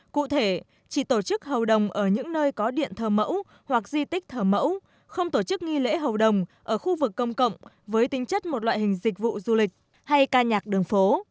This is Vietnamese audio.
cụ thể chỉ tổ chức hầu đồng ở những nơi có điện thờ mẫu hoặc di tích thờ mẫu không tổ chức nghi lễ hầu đồng ở khu vực công cộng với tính chất một loại hình dịch vụ du lịch hay ca nhạc đường phố